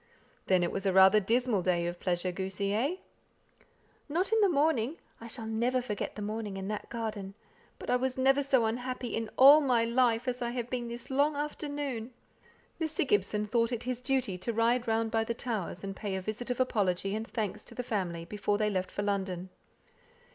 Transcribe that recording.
"Then it was rather a dismal day of pleasure, goosey, eh?" "Not in the morning. I shall never forget the morning in that garden. But I was never so unhappy in all my life, as I have been all this long afternoon." Mr. Gibson thought it his duty to ride round by the Towers, and pay a visit of apology and thanks to the family, before they left for London.